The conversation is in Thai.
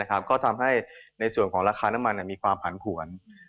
ก็ทำให้ในส่วนของราคาน้ำมันมีความผันผวน